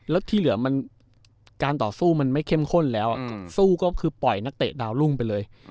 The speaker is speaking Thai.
แล้วที่เหลือมันการต่อสู้มันไม่เข้มข้นแล้วสู้ก็คือปล่อยนักเตะดาวรุ่งไปเลย